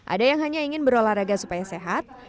ada yang hanya ingin berolahraga supaya sehat